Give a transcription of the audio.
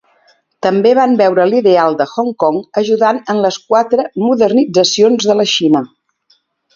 També van veure l'ideal de Hong Kong ajudant en les Quatre Modernitzacions de la Xina.